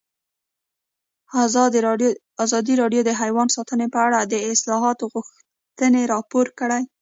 ازادي راډیو د حیوان ساتنه په اړه د اصلاحاتو غوښتنې راپور کړې.